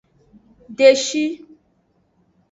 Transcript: Deshi.